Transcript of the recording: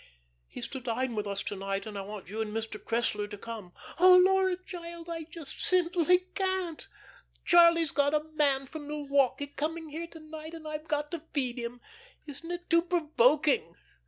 "He's to dine with us to night, and I want you and Mr. Cressler to come." "Oh, Laura, child, I just simply can't. Charlie's got a man from Milwaukee coming here to night, and I've got to feed him. Isn't it too provoking?